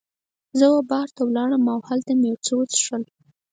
زه وه بار ته ولاړم او هلته مې یو څه وڅښل.